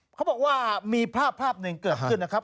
เขาบอกว่ามีภาพหนึ่งเกิดขึ้นนะครับ